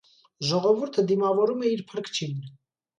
Ժողովուրդը դիմավորում է իր փրկչին։